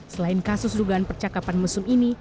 selain kasus dugaan percakapan mesum ini